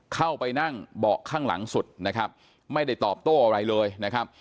เข้าไปนั่งเบาะข้างหลังสุดนะครับไม่ได้ตอบโต้อะไรเลยนะครับ